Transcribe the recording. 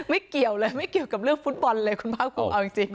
เกี่ยวเลยไม่เกี่ยวกับเรื่องฟุตบอลเลยคุณภาคภูมิเอาจริง